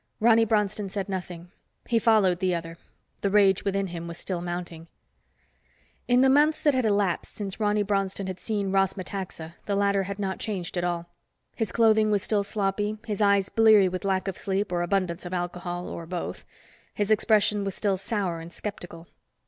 Ronny Bronston said nothing. He followed the other. The rage within him was still mounting. In the months that had elapsed since Ronny Bronston had seen Ross Metaxa the latter had changed not at all. His clothing was still sloppy, his eyes bleary with lack of sleep or abundance of alcohol—or both. His expression was still sour and skeptical.